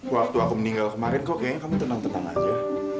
waktu aku meninggal kemarin kok kayaknya kamu tenang tenang aja